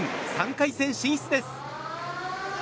３回戦進出です。